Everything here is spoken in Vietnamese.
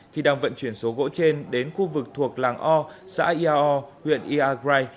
khi đang vận chuyển số gỗ trên đến khu vực thuộc làng o xã iao huyện iagrai